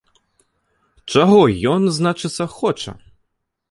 Чаго ён, значыцца, хоча?